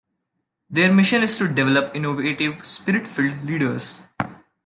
Their mission is to develop innovative spirit-filled leaders.